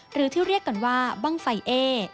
หรือที่เรียกกันว่าบ้างไฟเอ